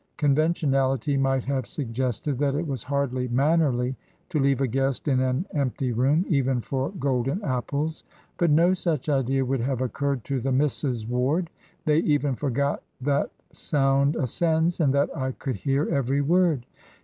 Conventionality might have suggested that it was hardly mannerly to leave a guest in an empty room, even for golden apples, but no such idea would have occurred to the Misses Ward. They even forgot that sound ascends, and that I could hear every word."